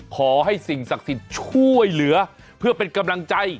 ขอให้สิ่งศักดิ์สิทธิ์ช่วยเหลือเพื่อเป็นกำลังใจ